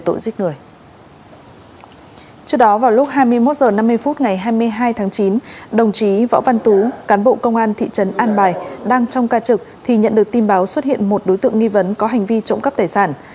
trước đó vào lúc hai mươi một h năm mươi phút ngày hai mươi hai tháng chín đồng chí võ văn tú cán bộ công an thị trấn an bài đang trong ca trực thì nhận được tin báo xuất hiện một đối tượng nghi vấn có hành vi trộm cắp tài sản